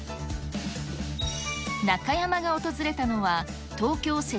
中山が訪れたのは、東京・世